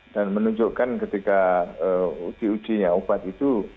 dan menunjukkan ketika di ujinya obat itu